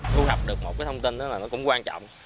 thu thập được một cái thông tin đó là nó cũng quan trọng